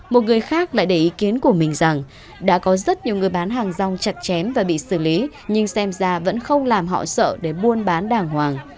một người khác lại để ý kiến của mình rằng đã có rất nhiều người bán hàng rong chặt chém và bị xử lý nhưng xem ra vẫn không làm họ sợ để buôn bán đàng hoàng